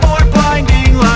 ya udah banget ya